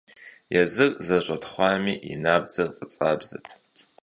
Езыр зэщӀэтхъуами, и набдзэр фӀыцӀабзэт.